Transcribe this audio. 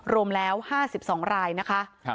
รวมแล้ว๕๒รายนะคะ